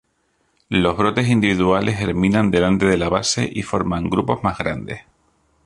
Los brotes individuales germinan delante de la base y forman grupos más grandes.